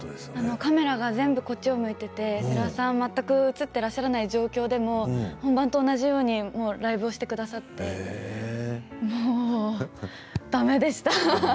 カメラが全部こっち向いていて世良さんが、映っていない状況でも本番と一緒にライブをしてくださってもうだめでした。